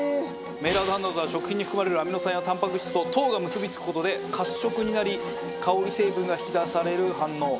メイラード反応とは食品に含まれるアミノ酸やタンパク質と糖が結び付く事で褐色になり香り成分が引き出される反応。